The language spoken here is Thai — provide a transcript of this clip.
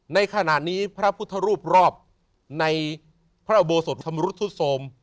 ในขณะนี้พระพุทธรูปรอบในพระอุโมสุทธรธรรมดรุทธโศภ